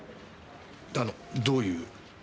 あのどういう？